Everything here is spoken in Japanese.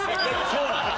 そうなの。